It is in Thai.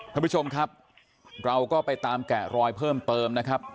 ท่านผู้ชมครับเราก็ไปตามแกะรอยเพิ่มเติมนะครับ